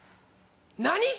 何⁉